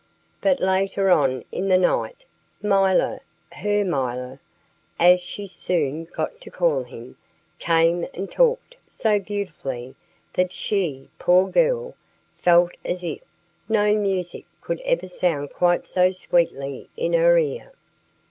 But later on in the night, milor her milor, as she soon got to call him came and talked so beautifully that she, poor girl, felt as if no music could ever sound quite so sweetly in her ear.